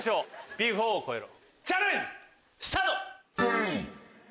ビフォーを超えろチャレンジスタート！